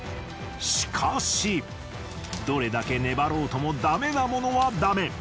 しかしどれだけ粘ろうともだめなものはだめ。